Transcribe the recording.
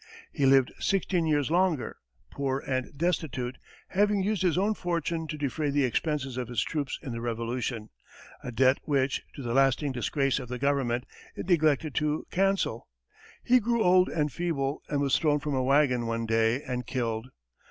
He lived sixteen years longer, poor and destitute, having used his own fortune to defray the expenses of his troops in the Revolution a debt which, to the lasting disgrace of the government, it neglected to cancel. He grew old and feeble, and was thrown from a wagon, one day, and killed.